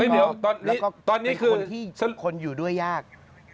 แล้วก็เป็นคนที่คนอยู่ด้วยยาก